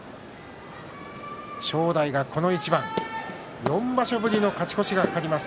正代はこの一番４場所ぶりの勝ち越しが懸かります。